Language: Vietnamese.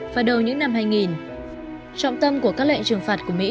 trọng tâm của các lệnh trừng phạt của mỹ